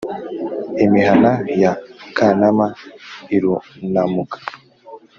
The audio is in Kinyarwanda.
Imihana ya Kanama irunamuka;